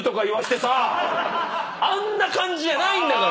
あんな感じじゃないんだから！